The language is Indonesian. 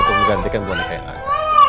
untuk menggantikan boneka yang lain